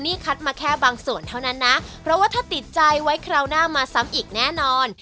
นี่คัดมาแค่บางส่วนเท่านั้นนะเพราะว่าถ้าติดใจไว้คราวหน้ามาซ้ำอีกแน่นอน